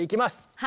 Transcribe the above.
はい！